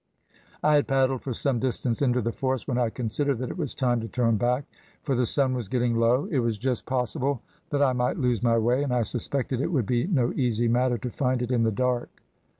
I had paddled for some distance into the forest when I considered that it was time to turn back, for the sun was getting low; it was just possible that I might lose my way, and I suspected it would be no easy matter to find it in the dark.